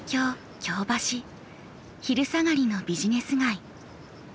昼下がりのビジネス街。